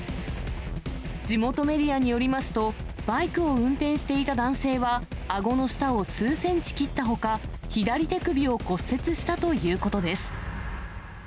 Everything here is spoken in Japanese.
地元メディアによりますと、バイクを運転していた男性は、あごの下を数センチ切ったほか、左手首を骨折したということです。